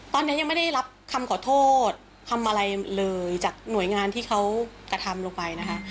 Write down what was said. ตอนนี้ยังไม่ได้รับคำขอโทษคำอะไรเลยจากหน่วยงานที่เขากระทำลงไปนะคะ